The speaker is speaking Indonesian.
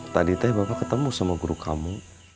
tadi teh bapak ketemu sama guru kamu